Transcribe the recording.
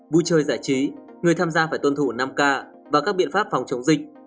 vui chơi giải trí người tham gia phải tuân thủ năm k và các biện pháp phòng chống dịch